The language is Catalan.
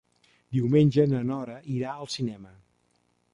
Diumenge na Nora irà al cinema.